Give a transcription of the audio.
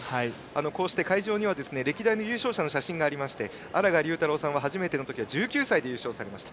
こうして会場には歴代の優勝者の写真がありまして荒賀龍太郎さんは初めての時は１９歳で優勝されました。